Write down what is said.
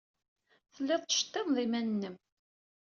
Telliḍ tettceṭṭineḍ iman-nnem.